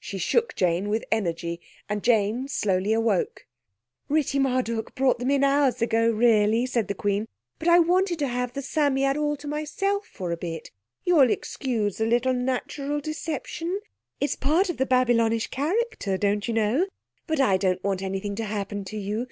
She shook Jane with energy, and Jane slowly awoke. "Ritti Marduk brought them in hours ago, really," said the Queen, "but I wanted to have the Psammead all to myself for a bit. You'll excuse the little natural deception?—it's part of the Babylonish character, don't you know? But I don't want anything to happen to you.